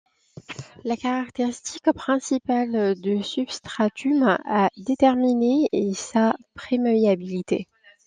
La caractéristique principale du substratum à déterminer est sa perméabilité.